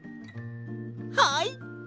はい！